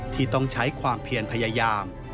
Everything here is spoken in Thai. ที่ต้องใช้ความเพียรพยายาม